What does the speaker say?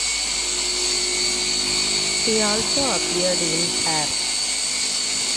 She also appeared in Hair.